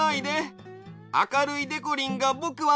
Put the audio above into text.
あかるいでこりんがぼくはすきだよ！